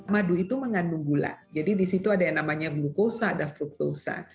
madu itu mengandung gula jadi di situ ada yang namanya glukosa ada fruktosa